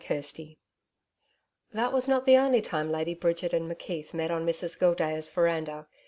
CHAPTER 13 That was not the only time Lady Bridget and McKeith met on Mrs Gildea's veranda.